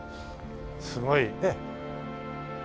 すごいねえ。